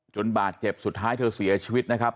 บาดเจ็บสุดท้ายเธอเสียชีวิตนะครับ